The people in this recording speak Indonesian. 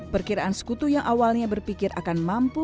perkiraan sekutu yang awalnya berpikir akan mampu